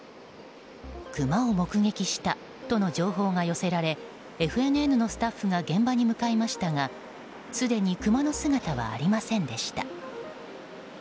クマを目撃したとの情報が寄せられＦＮＮのスタッフが現場に向かいましたがすでにクマの姿はありませんでした。